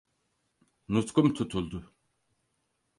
Nutkum tutuldu.